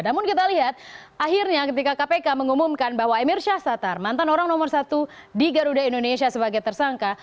namun kita lihat akhirnya ketika kpk mengumumkan bahwa emir syahsatar mantan orang nomor satu di garuda indonesia sebagai tersangka